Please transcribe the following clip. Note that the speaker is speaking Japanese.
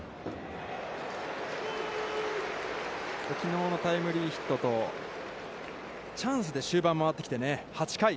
きのうのタイムリーヒットと、チャンスで終盤回ってきて８回。